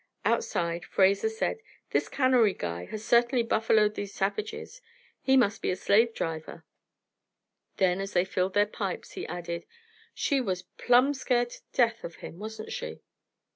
Outside, Fraser said: "This cannery guy has certainly buffaloed these savages. He must be a slave driver." Then as they filled their pipes, he added: "She was plumb scared to death of him, wasn't she?"